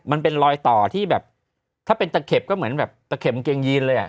มันเป็นรอยต่อที่แบบถ้าเป็นตะเข็บก็เหมือนแบบตะเข็บกางเกงยีนเลยอ่ะ